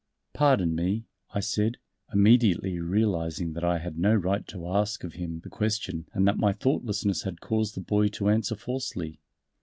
"Pardon me," I said, immediately realizing that I had no right to ask of him the question and that my thoughtlessness had caused the boy to answer falsely.